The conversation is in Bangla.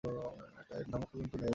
একটা ধমক পর্যন্ত দেয় নি।